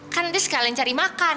kan dia sekalian cari makan